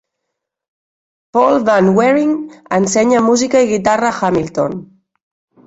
Paul Van Wering ensenya música i guitarra a Hamilton.